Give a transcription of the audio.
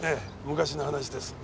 昔の話です。